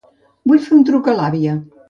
Vull fer un truc a l'àvia.